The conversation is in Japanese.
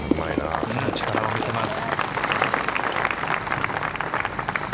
その力を見せます。